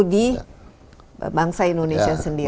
di bangsa indonesia sendiri